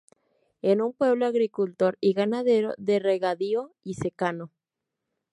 Es un pueblo agricultor y ganadero de regadío y secano.